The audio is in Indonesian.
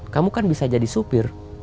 kamu kan bisa jadi supir